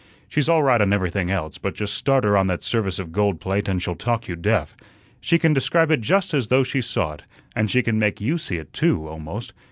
She's all right on everything else, but just start her on that service of gold plate and she'll talk you deaf. She can describe it just as though she saw it, and she can make you see it, too, almost.